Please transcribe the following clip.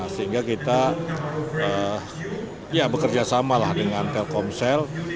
sehingga kita bekerja sama lah dengan telkomsel